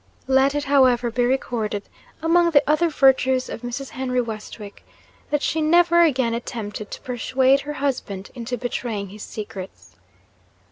Let it, however, be recorded, among the other virtues of Mrs. Henry Westwick, that she never again attempted to persuade her husband into betraying his secrets.